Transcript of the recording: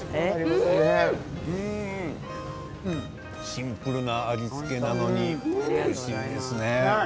シンプルな味付けなのにおいしいですね。